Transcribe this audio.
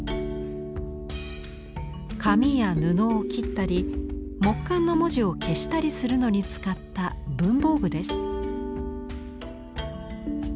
紙や布を切ったり木簡の文字を消したりするのに使った文房具です。